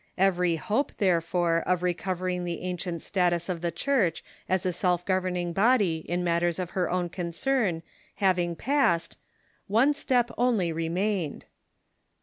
Every hope, therefore, of recovering the an cient status of the Church as a self governing body in matters of her own concern having passed, one step only remained.